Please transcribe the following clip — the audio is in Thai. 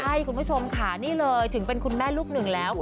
ใช่คุณผู้ชมค่ะนี่เลยถึงเป็นคุณแม่ลูกหนึ่งแล้ว